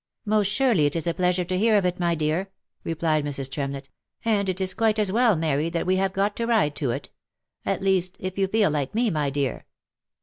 " Most surely it is a pleasure to hear of it, my dear," replied Mrs. Tremlett, " and it is quite as well, Mary, that we have got to ride to it — at least if you feel like me, my dear."